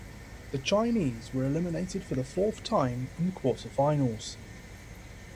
The Chinese were eliminated for the fourth time in the quarterfinals.